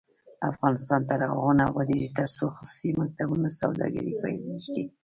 افغانستان تر هغو نه ابادیږي، ترڅو خصوصي مکتبونه سوداګري پریږدي.